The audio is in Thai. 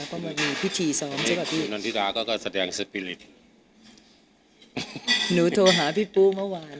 เพราะว่ามันมีพิธีซ้อมใช่ปะพี่นอนธิราก็ก็แสดงหนูโทรหาพี่ปู้เมื่อวาน